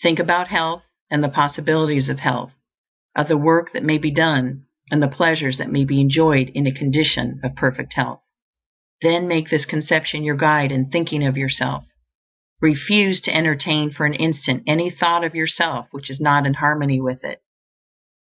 _ Think about health and the possibilities of health; of the work that may be done and the pleasures that may be enjoyed in a condition of perfect health. Then make this conception your guide in thinking of yourself; refuse to entertain for an instant any thought of yourself which is not in harmony with it.